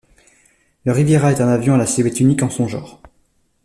Le Riviera est un avion à la silhouette unique en son genre.